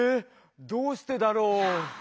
どうしてだろう。